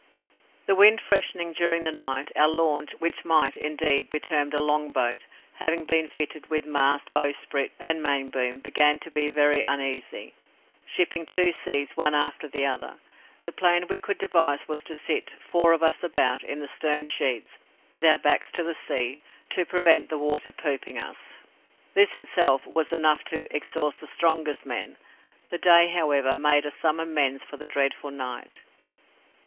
"The wind freshening during the night, our launch, which might, indeed, be termed a long boat, having been fitted with mast, bowsprit, and main boom, began to be very uneasy, shipping two seas one after the other. The plan we could devise was to sit, four of us about, in the stern sheets, with our backs to the sea, to prevent the water pooping us. This itself was enough to exhaust the strongest men. The day, however, made us some amends for the dreadful night.